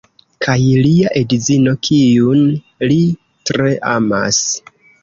kaj lia edzino kiun li tre amas